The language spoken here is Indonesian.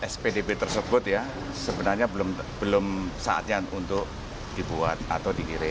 spdb tersebut ya sebenarnya belum saatnya untuk dibuat atau dikirim